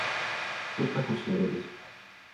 Тут так усе робяць.